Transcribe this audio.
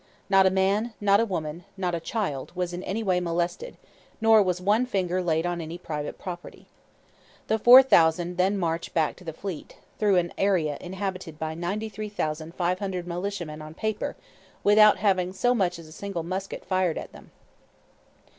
Not a man, not a woman, not a child, was in any way molested; nor was one finger laid on any private property. The four thousand then marched back to the fleet, through an area inhabited by 93,500 militiamen on paper, without having so much as a single musket fired at them.